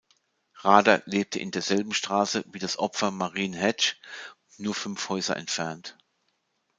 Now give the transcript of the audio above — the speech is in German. Rader lebte in derselben Straße wie das Opfer Marine Hedge, nur fünf Häuser entfernt.